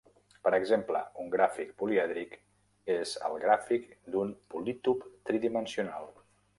Per exemple, un gràfic polièdric és el gràfic d'un polítop tridimensional.